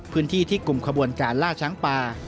พื้นที่ที่กลุ่มขบวนการล่าช้างป่า